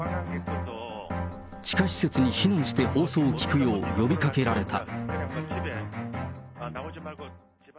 地下施設に避難して放送を聞くよう呼びかけられた。